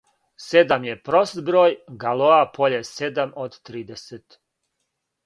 Седам је прост број. Галоа поље седам од тридесет.